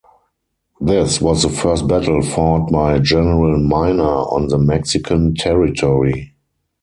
This was the first battle fought by General Mina on the Mexican territory.